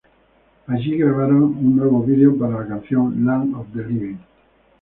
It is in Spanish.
Allí grabaron un nuevo vídeo para la canción 'Land of the Living'.